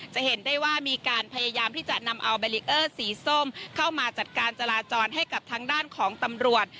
จะเห็นได้ว่ามีการพยายามที่จะนำเอาแบลิกเออร์สีส้มเข้ามาจัดการจราจรให้กับทางด้านของตำรวจ